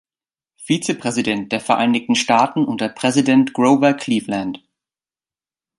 Vizepräsident der Vereinigten Staaten unter Präsident Grover Cleveland.